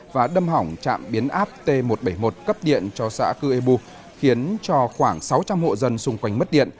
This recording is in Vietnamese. và đâm hỏng trạm biến áp t một trăm bảy mươi một cấp điện cho xã cư ê bu khiến cho khoảng sáu trăm linh hộ dân xung quanh mất điện